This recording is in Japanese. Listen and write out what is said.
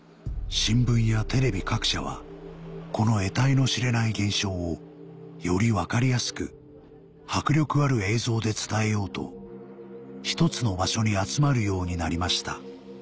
新聞やテレビ各社はこの得体の知れない現象をより分かりやすく迫力ある映像で伝えようと一つの場所に集まるようになりました